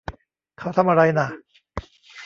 เขาทำอะไรน่ะ